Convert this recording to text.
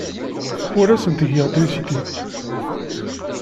Ur asen-ttgeɣ trisiti.